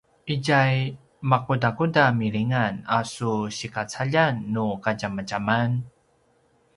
itja makudakuda milingan a su sigacaljan nu kadjamadjaman?